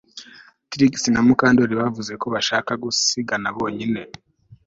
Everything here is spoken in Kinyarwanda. Trix na Mukandoli bavuze ko bashaka gusigara bonyine